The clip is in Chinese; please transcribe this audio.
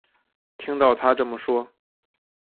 听到她这么说